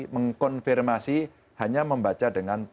mengkonfirmasi hanya membaca dengan